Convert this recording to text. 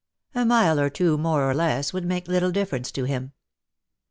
A mile or two more or less would make little difference to him.